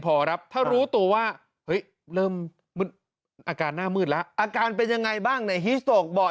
พอครับถ้ารู้ตัวว่าเฮ้ยเริ่มอาการหน้ามืดแล้วอาการเป็นยังไงบ้างในฮีสโต๊กบอก